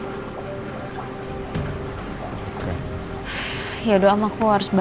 oke terus untuk tanggal kita lagi sama layer barbara